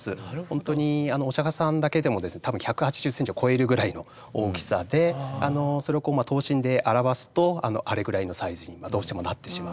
ほんとにお釈迦様だけでも多分１８０センチを超えるぐらいの大きさでそれを等身で表すとあれぐらいのサイズにどうしてもなってしまう。